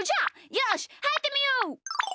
よしはいってみよう。